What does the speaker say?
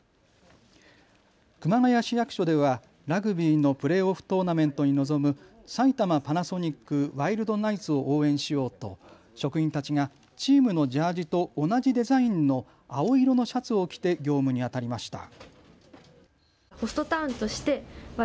熊谷市役所ではラグビーのプレーオフトーナメントに臨む埼玉パナソニックワイルドナイツを応援しようと職員たちがチームのジャージと同じデザインの青色のシャツを着て業務にあたりました。